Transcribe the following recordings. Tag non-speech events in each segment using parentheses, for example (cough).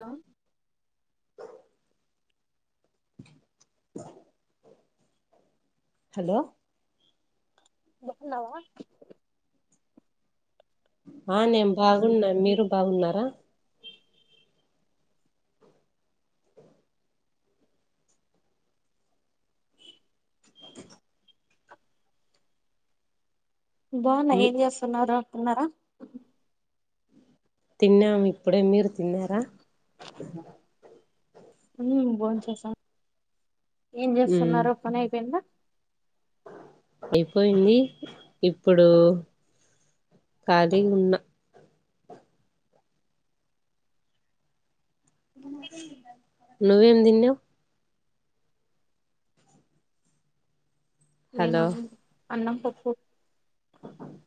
Hello hello బాగున్నావా ఆ నేను బాగున్నా మీరు బాగున్నారా బాగున్నా ఏం చేస్తున్నారు తిన్నారా తిన్నాము ఇప్పుడే మీరు తిన్నారా భోం చేసాం ఏం ఉమ్ చేస్తున్నారు పని అయిపోయింద అయిపోయింది ఇప్పుడు ఖాళీ ఉన్నా నువ్వేం తిన్నవు హలో మేమున్న అన్నం పప్పు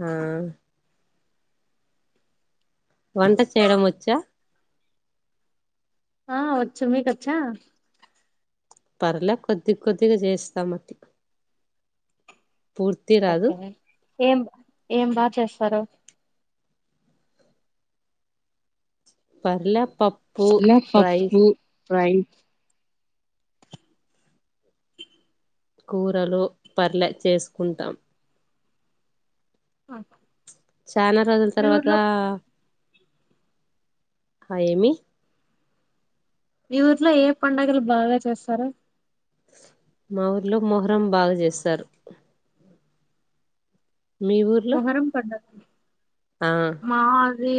ఆ వంట చేయడం వచ్చా ఆ వచ్చు మీకొచ్చా పర్లే కొద్దిగా కొద్దిగా చేస్తాం అట్ పూర్తి రాదు ఏం ఏం బా చేస్తారు పర్ పప్పు రైస్ కూరలు పర్ల చేసుకుంటాం ఓ చానా రోజుల తర్వాత ఆ ఏమి మీ ఊర్లో ఏ పండుగలు బాగా చేస్తారూ మా ఊరిలో మొహరం బాగా చేశారు ఊర్లో మొహరం పండగ ఆ మాది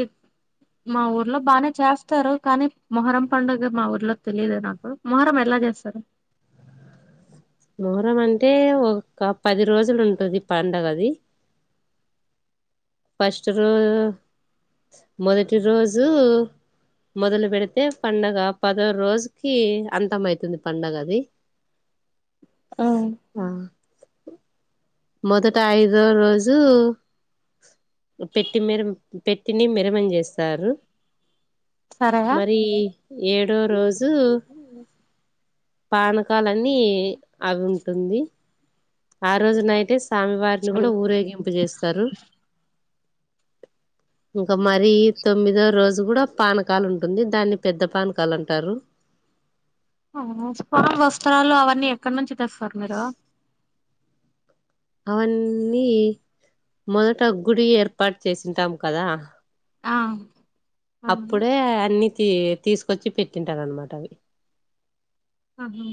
మా ఊర్లో బానే చేస్తారు కానీ మొహరం పండుగ మా ఊర్లో తెలియదు నాకు మొహరం ఎలా చేస్త సరే మొహరం అంటే ఒక పది రోజులు ఉంటది పండుగ అది ఫస్ట్ రోజు మొదటి రోజు మొదలు పెడితే పండగ పదో రోజుకి అంతం అయితుంది పండగ అది అవు మొదట ఐదో రోజు పెట్టి మీర పెట్టిని మెరవన చేస్తారు సరేనా మరి ఏడో రోజు పానకాలన్ని అవి ఉంటుంది ఆ రోజు నైటే స్వామివారిని కూడా ఊరేగింపజేస్తారు ఇంకా మరీ తొమ్మిదో రోజు కూడా పానకాలు ఉంటుంది దాన్ని పెద్ద పానకాలు అంటారు అ అక్కడ నుంచి తెస్తారు మీరు అవన్నీ మొదట గుడి ఏర్పాటు చేసింటాం కదా ఆ అవును అప్పుడే అన్ని తీ తీసుకొచ్చి పెట్టింటారు అనమాట అవి ఆహా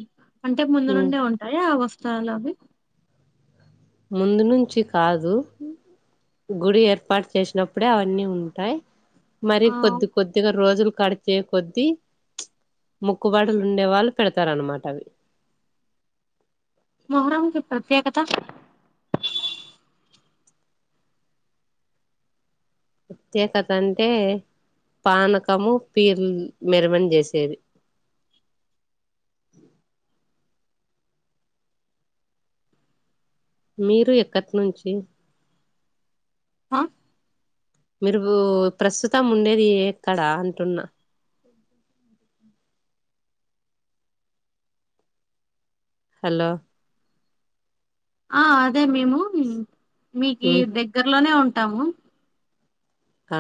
అంటే ముందు నుండే ఉంటాయ ఆ వస్త్రాలు అవి ముందు నుంచి కాదు గుడి ఏర్పాటు చేసినప్పుడే అవన్నీ ఉంటాయి మరి ఆ కొద్ది కొద్దిగా రోజులు కడిచే కొద్దీ ముక్కుబాటులు ఉండే వాళ్ళు పెడతారన్నమాట అవి మొహరం కి ప్రత్యేకత ప్రత్యేకత అంటే పానకము పీర్లు మెరవన చేసేది మీరు ఎక్కటి నుంచి ఆ మీరు ప్రస్తుతం ఉండేది ఎక్కడ అంటున్నా హలో ఆ అదే మేము మీకి ఉమ్, దగ్గరలోనే ఉంటాము ఆ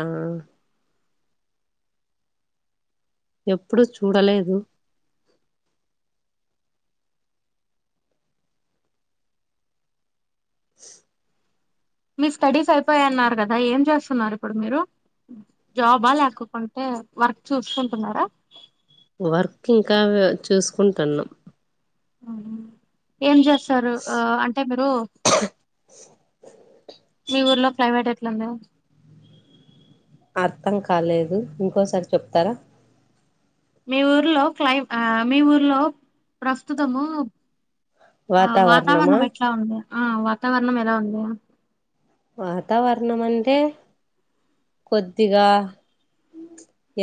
ఎప్పుడు చూడలేదు మీ స్టడీస్ అయిపోయాయి అన్నారు కదా ఏం చేస్తున్నారు ఇప్పుడు మీరు జాబా ల్యాకోకుంటే వర్క్ చూసుకుంటున్నారా వర్క్ ఇంకా చూసుకుంటున్నా ఆహా ఏం చెస్ స్తారు అంటే మీరు మీ ఊర్లో ప్రైవేట్ ఎట్ ట్లుందో అర్థం కాలేదు ఇంకోసారి చెప్తారా మీ ఊర్లో క్లై మీ ఊర్లో ప్రస్తుతము ఆ వాతావరణమా వాతావరణం ఎట్లా ఉంది ఆ వాతావరణం ఎలా ఉంది వాతావరణం అంటే కొద్దిగా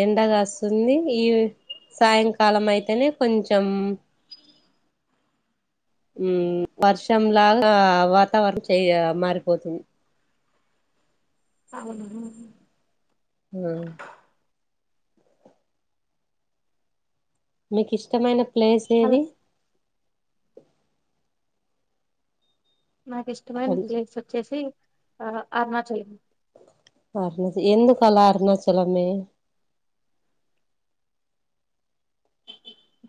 ఎండ కాస్తుంది ఈ సాయంకాలం అయితేనే కొంచెం మ్మ్ వర్షంలాగా వాతావరణం చెయ మారిపోతుంది అవును హ మీకు ఇష్టమైన ప్లేస్ అలా ఏది నాకు ఇష్టమైన ప్లేస్ వచ్చేసి ఆ అరుణాచలం అరణసి ఎందుకు అలా అరుణచలమే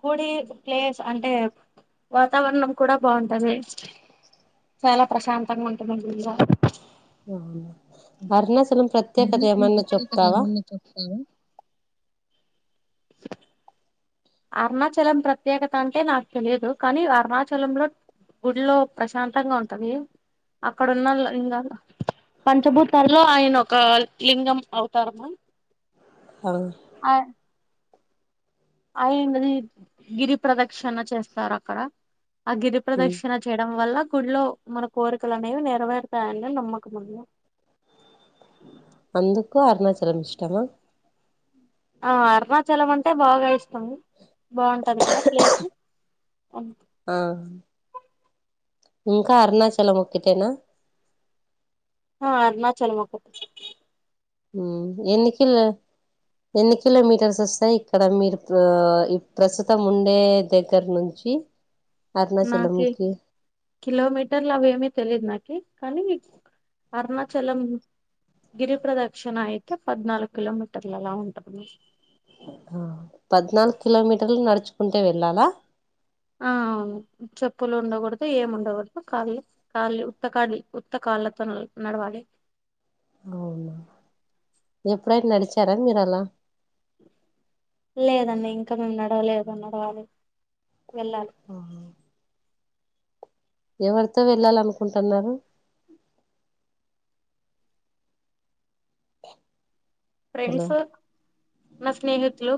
గుడి ప్లేస్ అంటే వాతావరణం కూడా బాగుంటది చాలా ప్రశాంతంగా ఉంటది గుళ్ళ అరుణాచలం ప్రత్యేకత అరుణాచలం ఏమన్నా ప్రత్యేకత చెప్తావా ఏమన్నా చెప్తారా అరుణాచలం ప్రత్యేకత అంటే నాకు తెలియదు కానీ అరుణాచలంలో గుడిలో ప్రశాంతంగా ఉంటది అక్కడ ఉన్నల్లో ఇంగాదు పంచభూతాల్లో ఆయన ఒక లింగం అవుతారమా హా ఆయనది గిరి ప్రదక్షిణ చేస్తారు అక్కడ ఆ గిరి మ్ ప్రదక్షిణ చేయడం వల్ల గుళ్ళో మన కోరికలు అనేవి నేరవేరతాయని నమ్మకం ముందీ అందుకు అరుణాచలం ఇష్టమా ఆ అరుణాచలం అంటే బాగా ఇష్టం బాగుంటది కదా ప్లేసు అవు ఆ ఇంకా అరుణాచలం ఒక్కటేనా ఆ అరుణాచలం ఒక్కటే ఉమ్ ఎన్నికిల ఎన్ని కిలోమీటర్స్ వస్తాయి ఇక్కడ మీరు ప్ర ప్రస్తుతం ఉండే దగ్గర నుంచి నాకి అరుణాచలంకి కిలోమీటర్లు అవేమి తెలియదు నాకి కానీ అరుణాచలం గిరి ప్ర్రదక్షిణ అయితే పద్నాలుగు కిలోమీటర్లు అలా ఉంటంది ఆ పద్నాలుగు కిలోమీటర్లు నడుచుకుంటే వెళ్ళాలా ఆ చెప్పులు ఉండకూడదు ఏమి ఉండకూడదు కాలీ కాలీ ఉత్త కాలీ ఉత్త కా కాళ్ళతో నడవాలి అవునా ఎప్పుడైనా నడిచారా మీరు అలా లేదండి ఇంకా మేము నడవలేదు నడవాలి వెళ్ళలి ఆ. ఎవరితో వెళ్ళాలనుకుంటున్నారు ఫ్రెండ్స్ హలో నా స్నేహితులు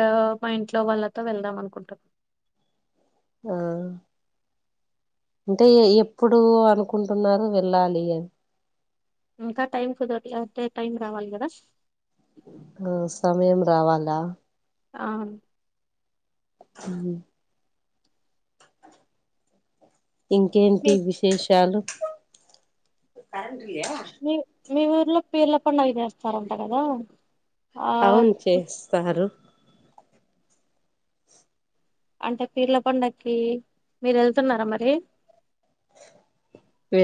ఆ మా ఇంట్లో వాళ్ళతో వెళ్దాం అనుకుంటాన్న ఆ అంటే ఏ ఎప్పుడు అనుకుంటున్నారు వెళ్ళాలి అని ఇంకా టైం కుదరట్లే అంటే టైం రావాలి కదా ఆ సమయం రావాలా ఆ ఉమ్ ఇంకేంటి మీ విశేషాలు మీ మీ ఊర్లో పీర్ల పండుగ వేస్తారంట కదా ఆ కౌంట్ చేస్తారు అంటే పీర్ల పండకి మీరు వెళ్తున్నారా మరి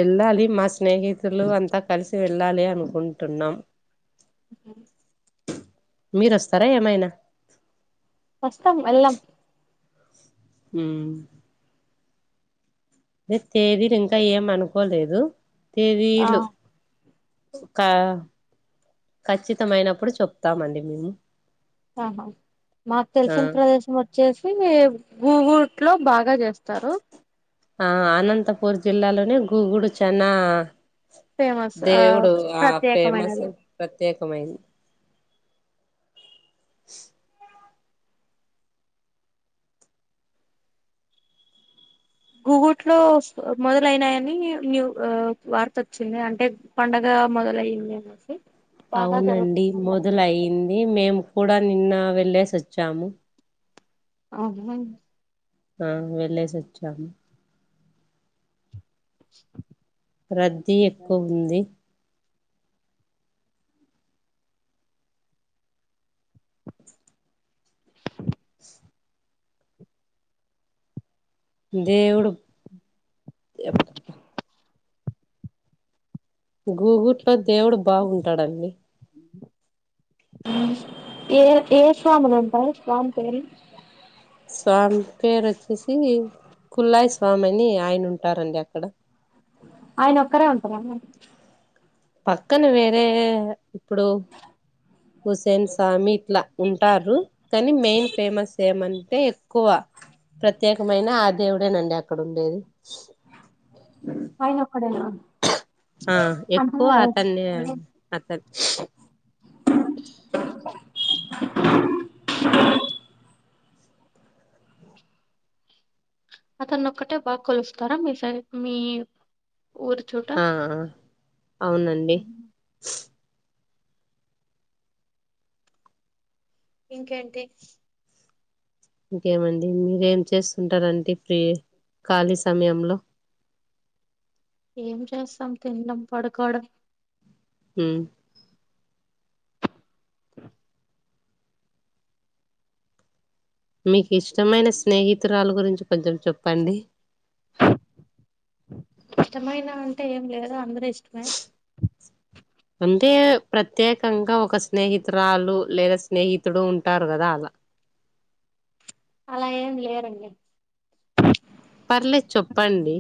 వెళ్ళాలి మా స్నేహితులు అంతా కలిసి వెళ్ళాలి అనుకుంటున్నాం హ మీరు వస్తారా ఏమైనా వస్తాం ఎల్లం ఉ అదే తేదీలు ఇంకా ఏమ అనుకోలేదు ఆ తేదీలు ఒక ఖచ్చితమైనప్పుడు చెప్తామండి మేము ఆహా మాకు ఆ తెలిసిన ప్రదేశం వచ్చేసి గూగుట్లో బాగా బాగా చేస్తారు ఆ అనంతపూర్ జిల్లాలోనే గూగుడు చనా ఫేమస్ ఆ దేవుడు ఆ ఫేమస్ ప్రత్యేకమైనది ప్రత్యేకమైంది గూగుట్ లో మొదలైనయాన్ని న్యూ వార్త వచ్చింది అంటే పండగ మొదలయింది అనేసి బాగా అవునండి జరుగుతుందంట మొదల అయింది మేము కూడా నిన్న వెళ్ళేసి వచ్చాము అవునా ఆ వెళ్లేసి వచ్చాము రద్దీ ఎక్కువ ఉంది దేవుడు గూగుట్లో దేవుడు బాగుంటాడండి ఏ ఏ స్వాములు ఉంటారు స్వామి పేరు ఏంటి సామి పేరు వచ్చేసి కుల్లాయి స్వామి అని ఆయన ఉంటారండి అక్కడ ఆయన ఒక్కరే ఉంటార పక్కన వేరే ఇప్పుడు హుసేన్ సామిట్ల ఉంటారు కానీ మెయిన్ ఫేమస్ ఏమం అంటే ఎక్కువ ప్రత్యేకమైన ఆ దేవుడేనండి అక్కడ ఉండేది ఆయనొక్కడేనా ఆ ఎక్కువ అతనే అతన్ (inaudible) అతను ఒక్కటే బాగా కొలుస్తారా మీ సై మీ ఊరు చూట ఆ అవునండి ఇంకేంటి ఇంకేమండి మీరేం చేస్తుంటారంటే ఫ్రీ ఖాళీ సమయంలో ఏం చేస్తాం తినడం పడుకోవడం హ్మ్ మీకు ఇష్టమైన స్నేహితురాలు గురించి కొంచెం చెప్పండి ఇష్టమైన అంటే ఏం లేదు అందరూ ఇష్టమే అంటే ప్రత్యేకంగా ఒక స్నేహితురాలు లేదా స్నేహితుడు ఉంటారు కదా అలా (inaudible) అలా ఏం లేరండి పర్లేదు చెప్పండి